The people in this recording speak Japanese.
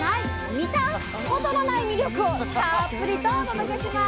見タコとのない魅力をたっぷりとお届けします！